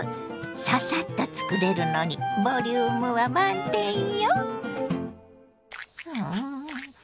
ササッと作れるのにボリュームは満点よ。